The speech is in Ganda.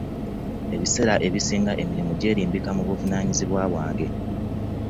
Ebiseera ebisinga emirimu gyerimbika mu buvunayizibwa bwange .